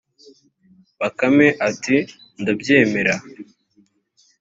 bakame iti ndabyemera